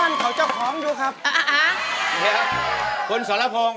ร้องได้ให้ร้าน